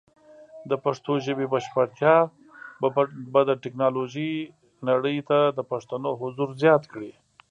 د پښتو ژبې بشپړتیا به د ټیکنالوجۍ نړۍ ته د پښتنو حضور زیات کړي.